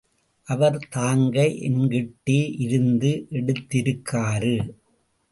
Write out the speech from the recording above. அவர் தாங்க என்கிட்டே இருந்து எடுத்திருக்காரு.